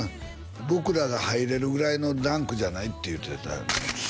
僕らが入れるぐらいのランクじゃないって言うてたよ